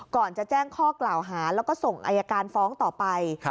ก่อนจะแจ้งข้อกล่าวหาแล้วก็ส่งอายการฟ้องต่อไป